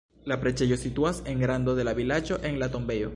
La preĝejo situas en rando de la vilaĝo en la tombejo.